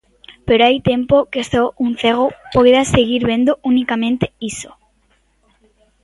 Pero hai tempo que só un cego podía seguir vendo unicamente iso.